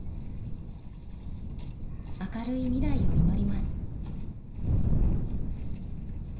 ［明るい未来を祈ります］